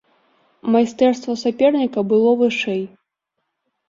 Майстэрства саперніка было вышэй.